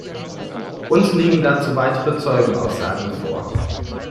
Uns liegen dazu weitere Zeugenaussagen vor.